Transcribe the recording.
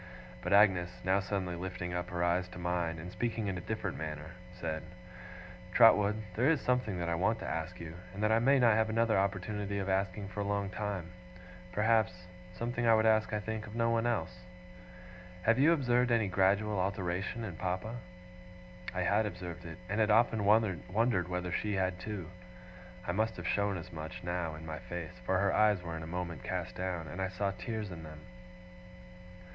But Agnes, now suddenly lifting up her eyes to mine, and speaking in a different manner, said: 'Trotwood, there is something that I want to ask you, and that I may not have another opportunity of asking for a long time, perhaps something I would ask, I think, of no one else. Have you observed any gradual alteration in Papa?' I had observed it, and had often wondered whether she had too. I must have shown as much, now, in my face; for her eyes were in a moment cast down, and I saw tears in them.